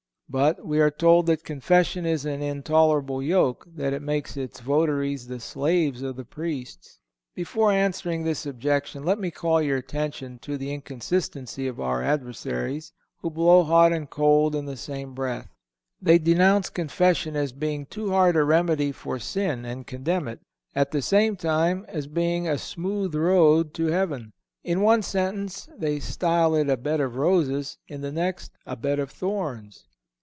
But we are told that confession is an intolerable yoke, that it makes its votaries the slaves of the Priests. Before answering this objection, let me call your attention to the inconsistency of our adversaries, who blow hot and cold in the same breath. They denounce confession as being too hard a remedy for sin and condemn it, at the same time, as being a smooth road to heaven. In one sentence they style it a bed of roses; in the next a bed of thorns.